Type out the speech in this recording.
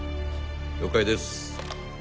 了解です。